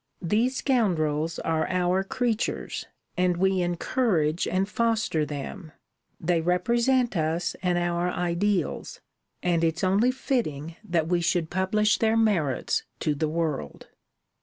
These scoundrels are our creatures, and we encourage and foster them; they represent us and our ideals, and it's only fitting that we should publish their merits to the world.'